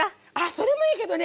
それもいいけどね